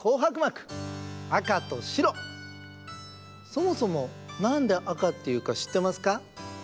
そもそもなんで赤っていうかしってますか？